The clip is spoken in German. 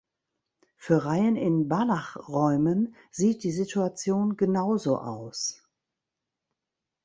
Für Reihen in Banachräumen sieht die Situation genauso aus.